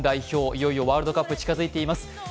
いよいよワールドカップ近づいています。